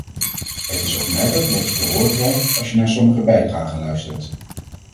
Het is opmerkelijk wat je te horen krijgt, als je naar sommige bijdragen luistert.